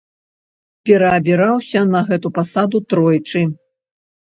Пераабіраўся на гэту пасаду тройчы.